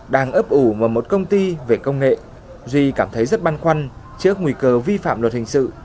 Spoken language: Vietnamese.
đang ấp ủ mà một công ty về công nghệ duy cảm thấy rất băn khoăn trước nguy cơ vi phạm luật hình sự